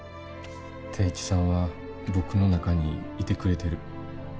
定一さんは僕の中にいてくれてる。